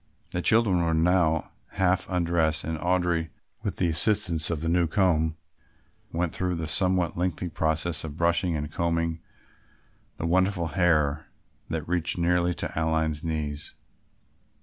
The children were by now half undressed and Audry with the assistance of the new comb went through the somewhat lengthy process of brushing and combing the wonderful hair that reached nearly to Aline's knees.